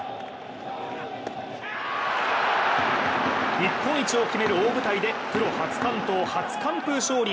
日本一を決める大舞台でプロ初完投・初完封勝利。